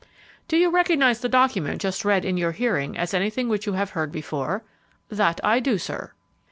"Do you recognize the document just read in your hearing as anything which you have heard before?" "That I do, sir."